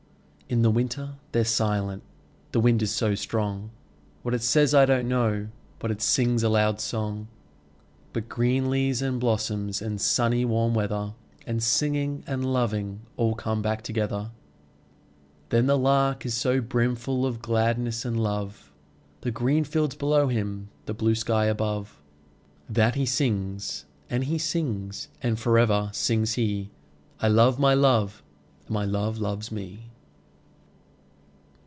In the winter they're silent the wind is so strong; What it says, I don't know, but it sings a loud song. But green leaves, and blossoms, and sunny warm weather, 5 And singing, and loving all come back together. But the Lark is so brimful of gladness and love, The green fields below him, the blue sky above, That he sings, and he sings; and for ever sings he 'I love my Love, and my Love loves me!'